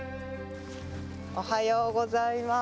おはようございます。